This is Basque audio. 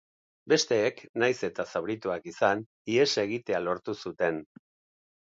Besteek, nahiz eta zaurituak izan, ihes egitea lortu zuten.